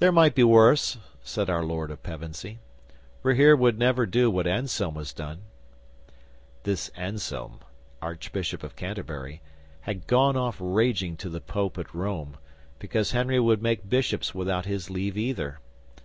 '"There might be worse," said our Lord of Pevensey. "Rahere would never do what Anselm has done." 'This Anselm, Archbishop of Canterbury, had gone off raging to the Pope at Rome, because Henry would make bishops without his leave either.